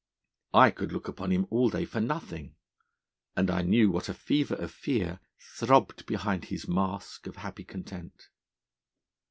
I could look upon him all day for nothing! And I knew what a fever of fear throbbed behind his mask of happy contempt.